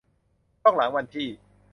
ต้องหลังวันที่